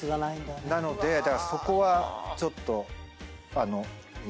なのでそこはちょっと。